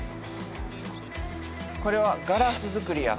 これはガラス作りや。